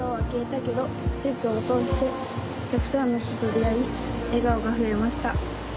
施設を通してたくさんの人と出会い笑顔が増えました。